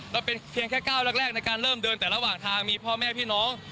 เราเป็นเพียงแค่ก้าวแรกในการเริ่มเดินแต่ระหว่างทางมีพ่อแม่พี่น้อง